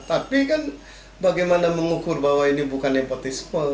tapi kan bagaimana mengukur bahwa ini bukan nepotisme